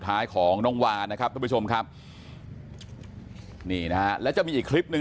ท้ายของน้องวานะครับทุกผู้ชมครับนี่นะฮะแล้วจะมีอีกคลิปหนึ่ง